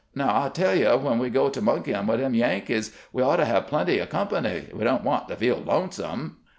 Now I tell you, when we go to monkejdn' with them Yankees we ought to have plenty o' company; we don't want to feel lonesome.'